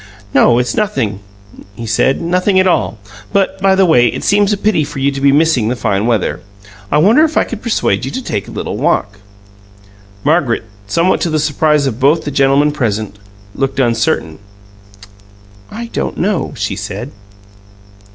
"No, it's nothing," he said. "Nothing at all. But, by the way, it seems a pity for you to be missing the fine weather. I wonder if I could persuade you to take a little walk?" Margaret, somewhat to the surprise of both the gentlemen present, looked uncertain. "I don't know," she said.